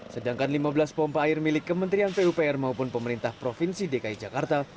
sedangkan lima belas pompa air milik kementerian pupr maupun pemerintah provinsi dki jakarta